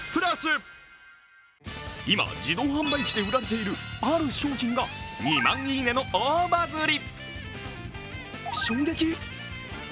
今、自動販売機で売られているある商品が２万いいねの大バズり。